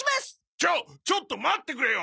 ちょちょっと待ってくれよ。